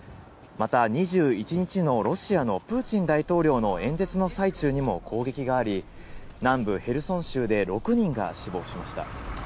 また２１日のロシアのプーチン大統領の演説の最中にも攻撃があり、南部ヘルソン州で６人が死亡しました。